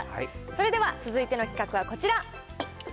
それでは続いての企画はこちら。